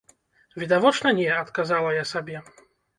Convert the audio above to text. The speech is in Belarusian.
Відавочна не, адказвала я сабе.